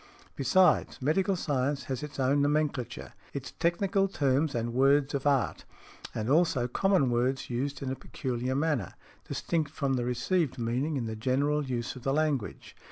Besides, medical science has its own nomenclature, its technical terms and words of art, and also common words used in a peculiar manner, distinct from the received meaning in the general use of the language.